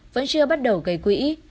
vẫn chưa bắt đầu gây quỹ